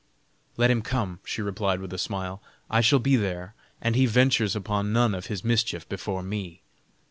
"Let him come," she replied with a smile, "I shall be there, and he ventures upon none of his mischief before me."